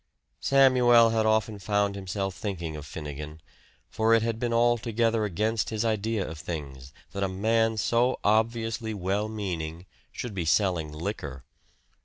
Samuel had often found himself thinking of Finnegan; for it had been altogether against his idea of things that a man so obviously well meaning should be selling liquor.